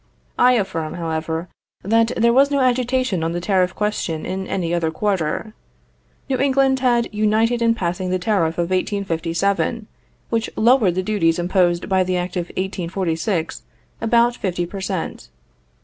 I affirm, however, that there was no agitation on the tariff question in any other quarter. New England had united in passing the tariff of 1857, which lowered the duties imposed by the act of 1846 about fifty per cent.